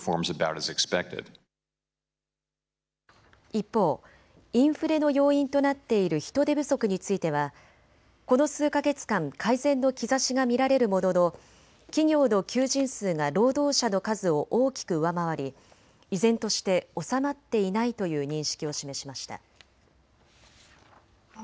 一方、インフレの要因となっている人手不足についてはこの数か月間、改善の兆しが見られるものの企業の求人数が労働者の数を大きく上回り依然として収まっていないという認識を示しました。